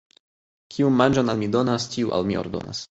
Kiu manĝon al mi donas, tiu al mi ordonas.